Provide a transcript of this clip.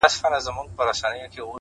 د ژوند په غاړه کي لوېدلی يو مات لاس يمه،